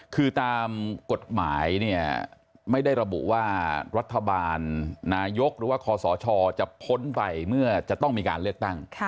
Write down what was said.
คือตามกฎหมายเนี่ยไม่ได้ระบุว่ารัฐบาลนายกหรือว่าคอสชจะพ้นไปเมื่อจะต้องมีการเลือกตั้ง